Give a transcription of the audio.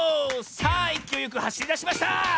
さあいきおいよくはしりだしました！